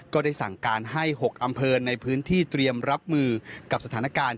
ก็ได้สั่งการให้๖อำเภอในพื้นที่เตรียมรับมือกับสถานการณ์